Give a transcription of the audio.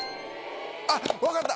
あっ分かった！